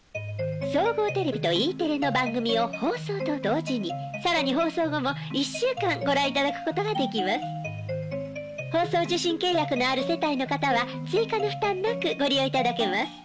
総合テレビとＥテレの番組を放送と同時に更に放送受信契約のある世帯の方は追加の負担なくご利用いただけます。